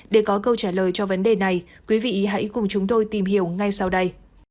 để có câu trả lời cho vấn đề này quý vị hãy cùng chúng tôi tìm hiểu ngay sau đây